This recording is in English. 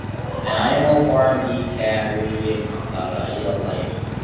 An animal horn reed cap usually encompasses the idioglot reed.